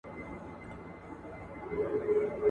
هغه کسان چي د خلکو ترمنځ روغه کوي، ښه دي.